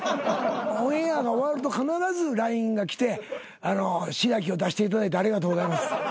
オンエアが終わると必ずＬＩＮＥが来て「しらきを出していただいてありがとうございます」